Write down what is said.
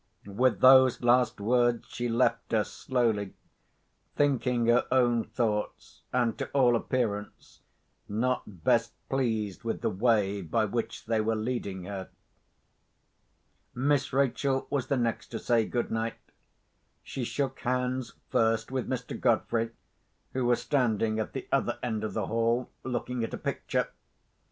With those last words she left us slowly; thinking her own thoughts, and, to all appearance, not best pleased with the way by which they were leading her. Miss Rachel was the next to say good night. She shook hands first with Mr. Godfrey, who was standing at the other end of the hall, looking at a picture.